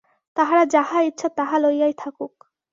তাহারা যাহা চায় তাহা লইয়াই থাকুক।